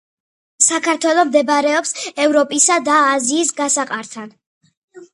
საქართველო მდებარეობს ევროპისა და აზიის გასაყართან